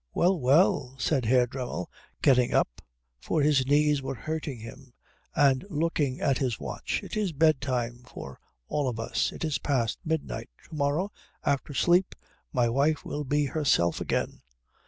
"Well, well," said Herr Dremmel getting up, for his knees were hurting him, and looking at his watch, "it is bedtime for all of us. It is past midnight. To morrow, after a sleep, my wife will be herself again."